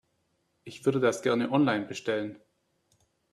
Ich würde das gerne online bestellen.